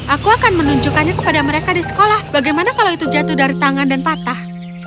aku akan menunjukkannya kepada mereka di sekolah bagaimana kalau itu jatuh dari tangan dan patah